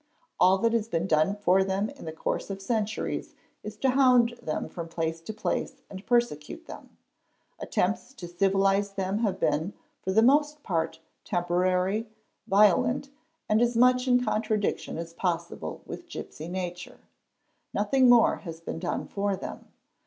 All that has been done for them in the course of centuries is to hound them from place to place and persecute them ™®,| Attempts to civilise them have been for the most part temporary, violent, and as much in contradiction as possible with gipsy nature. Nothing _ more has been done for them.